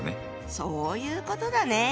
そういうことだね！